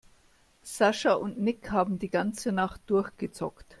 Sascha und Nick haben die ganze Nacht durchgezockt.